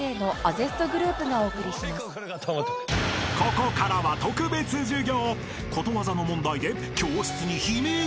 ［ここからは特別授業］